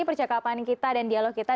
percakapan kita dan dialog kita